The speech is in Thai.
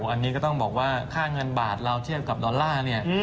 อันนี้ก็ต้องบอกว่าค่าเงินบาทเราเทียบกับดอลลาร์เนี่ย